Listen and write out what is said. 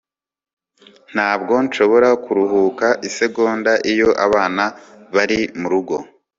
Ntabwo nshobora kuruhuka isegonda iyo abana bari murugo